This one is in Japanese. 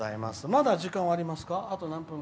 まだ時間はありますか。